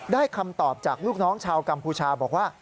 คำตอบจากลูกน้องชาวกัมพูชาบอกว่า